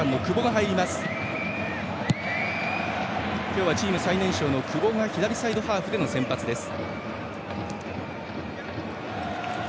今日はチーム最年少の久保が左サイドハーフでの先発です。